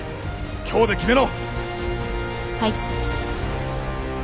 今日で決めろ！